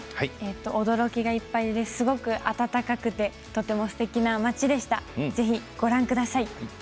驚きがいっぱいで温かくてすてきな街でした。